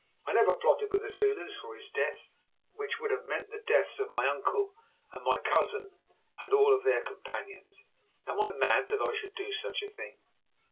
I never plotted with the Zulus for his death, which would have meant the deaths of my uncle and my cousin and of all their companions. Am I mad that I should do such a thing?"